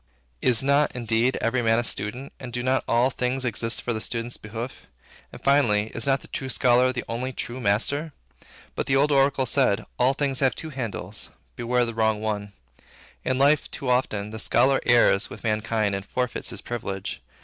Is not, indeed, every man a student, and do not all things exist for the student's behoof? And, finally, is not the true scholar the only true master? But the old oracle said, `All things have two handles: beware of the wrong one.' In life, too often, the scholar errs with mankind and forfeits his privilege.